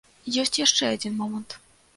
Ёсць яшчэ адзін момант.